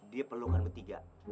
dia peluk kan betiga